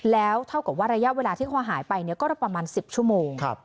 แล้วเท่ากับว่าระยะเวลาที่เขาหายไปก็ประมาณ๑๐ชั่วโมง